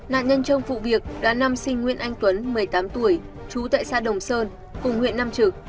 nạn nhân trong vụ việc đã năm sinh nguyên anh tuấn một mươi tám tuổi chú tại xã đồng sơn cùng huyện nam trực